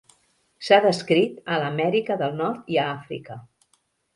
S'ha descrit a l'Amèrica del Nord i a Àfrica.